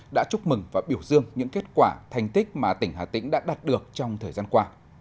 đã chúc mừng và biểu dương những kết quả thành tích mà tỉnh hà tĩnh đã đạt được trong thời gian qua